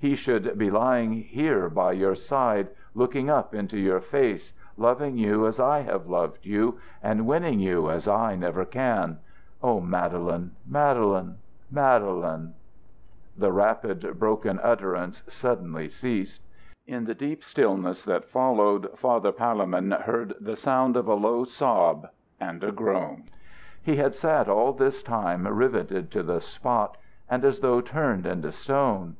He should be lying here by your side, looking up into your face, loving you as I have loved you, and winning you as I never can. Oh, Madeline, Madeline, Madeline!" The rapid, broken utterance suddenly ceased. In the deep stillness that followed, Father Palemon heard the sound of a low sob and a groan. He had sat all this time rivetted to the spot, and as though turned into stone.